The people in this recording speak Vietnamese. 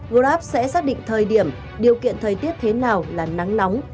grab sẽ xác định thời điểm điều kiện thời tiết thế nào là nắng nóng